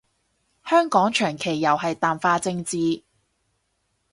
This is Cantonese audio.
香港長期又係淡化政治